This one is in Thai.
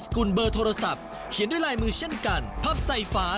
กุลเบอร์โทรศัพท์เขียนด้วยลายมือเช่นกันพับใส่ฝา